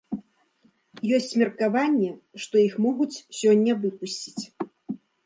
Ёсць меркаванне, што іх могуць сёння выпусціць.